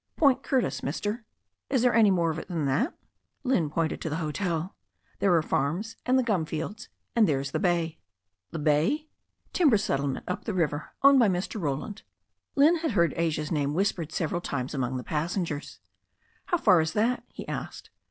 "Point Curtis, Mister." "Is there any more of it than that ?" Lynne pointed to the hotel. "There are farms, and the gum fields, and then there's the bay." "The bay?" "Timber settlement up the river. Owned by Mr. Ro land." Lynne had heard Asia's name whispered several times among the passengers. "How far is that?" he asked.